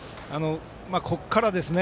ここからですね。